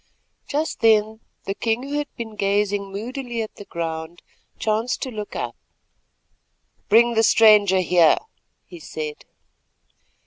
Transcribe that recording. Just then the king, who had been gazing moodily at the ground, chanced to look up. "Bring the stranger here," he said.